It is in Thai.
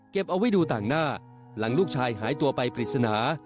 เอาไว้ดูต่างหน้าหลังลูกชายหายตัวไปปริศนา